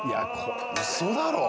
うそだろう。